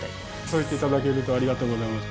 そう言って頂けるとありがとうございます。